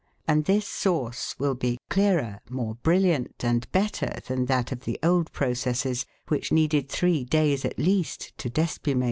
And this sauce will be clearer, more brilliant, and better than that of the old processes, which needed three days at least to despumate.